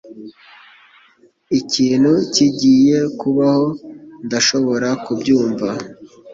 Ikintu kigiye kubaho. Ndashobora kubyumva.